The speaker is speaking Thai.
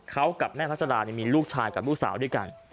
เขากับแม่พัศดามีลูกชายกับลูกสาวด้วยกัน